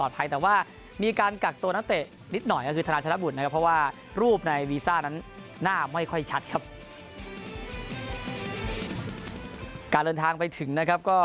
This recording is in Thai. เพราะว่ารูปในวีซานั้นหน้าไม่ค่อยชัดครับ